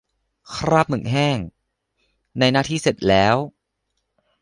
คราบหมึกแห้ง ในหน้าที่เสร็จแล้ว